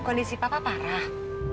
kondisi papa parah